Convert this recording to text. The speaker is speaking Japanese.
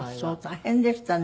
大変でしたね。